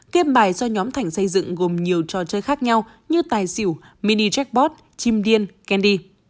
game bài do nhóm thành xây dựng gồm nhiều trò chơi khác nhau như tài xỉu mini jackpot chim điên candy